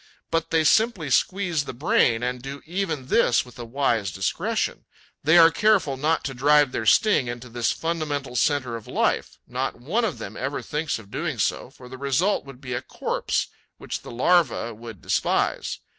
But they simply squeeze the brain and do even this with a wise discretion; they are careful not to drive their sting into this fundamental centre of life; not one of them ever thinks of doing so, for the result would be a corpse which the larva would despise.